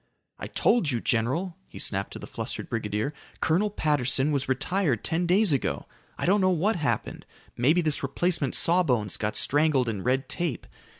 "I told you, general," he snapped to the flustered brigadier, "Colonel Patterson was retired ten days ago. I don't know what happened. Maybe this replacement sawbones got strangled in red tape.